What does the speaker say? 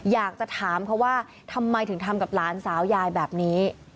อยากจะถามเขาว่าทำไมถึงทำกับหลานสาวยายแบบนี้